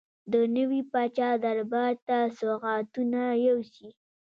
د نوي پاچا دربار ته سوغاتونه یوسي.